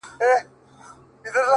بس ژونده همدغه دی خو عیاسي وکړه